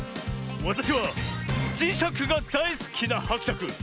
わたしはじしゃくがだいすきなはくしゃく。